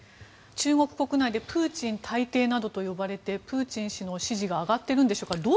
中国国内でプーチン大帝などと呼ばれてプーチン氏の支持が上がっているんでしょうか。